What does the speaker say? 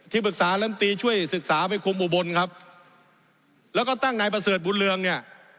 ปรึกษาลำตีช่วยศึกษาไปคุมอุบลครับแล้วก็ตั้งนายประเสริฐบุญเรืองเนี่ย